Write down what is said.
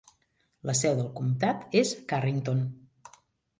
La seu del comtat és Carrington.